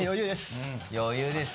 余裕です。